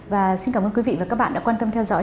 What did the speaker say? và xin cảm ơn quý vị và các bạn đã quan tâm theo dõi